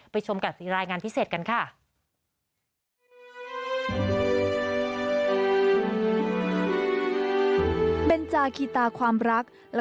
ชมการรายงานพิเศษกันค่ะ